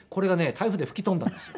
台風で吹き飛んだんですよ。